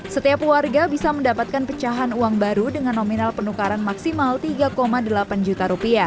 setiap warga bisa mendapatkan pecahan uang baru dengan nominal penukaran maksimal rp tiga delapan juta